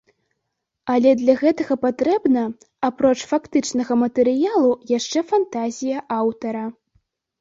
Але для гэтага патрэбна, апроч фактычнага матэрыялу, яшчэ фантазія аўтара.